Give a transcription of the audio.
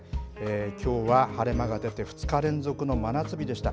きょうは晴れ間が出て、２日連続の真夏日でした。